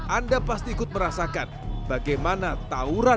anda pasti ikut merasakan bagaimana tawuran